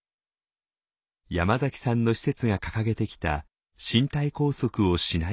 山崎さんの施設が掲げてきた身体拘束をしない介護。